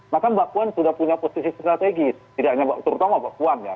maka mbak puan sudah punya posisi strategis tidak hanya mbak terutama mbak puan ya